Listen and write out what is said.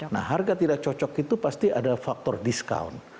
nah harga tidak cocok itu pasti ada faktor discount